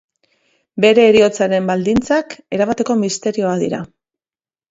Bere heriotzaren baldintzak, erabateko misterioa dira.